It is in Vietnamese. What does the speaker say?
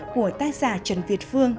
của tác giả trần việt phương